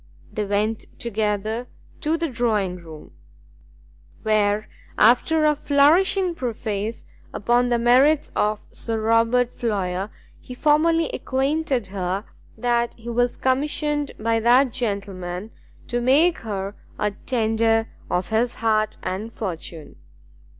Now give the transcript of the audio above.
They went together to the drawing room, where, after a flourishing preface upon the merits of Sir Robert Floyer, he formally acquainted her that he was commissioned by that gentleman, to make her a tender of his hand and fortune.